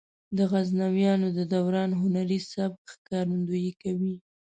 د غزنویانو د دوران هنري سبک ښکارندويي کوي.